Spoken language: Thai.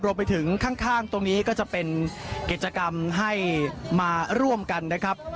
ไปถึงข้างตรงนี้ก็จะเป็นกิจกรรมให้มาร่วมกันนะครับ